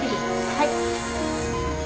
はい。